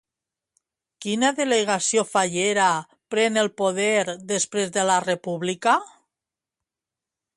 Quina delegació fallera pren el poder després de la República?